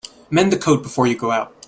Mend the coat before you go out.